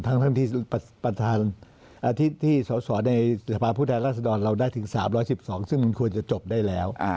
ทั้งที่สอสอในสภาพผู้แทนราษฎรเราได้ถึง๓๑๒ซึ่งมันควรจะจบได้แล้ว